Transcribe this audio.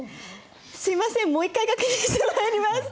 すいませんもう一回確認してまいります。